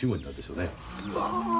うわ。